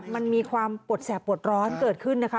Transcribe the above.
มันมีความปวดแสบปวดร้อนเกิดขึ้นนะคะ